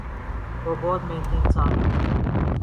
وہ بہت محنتی انسان ہے۔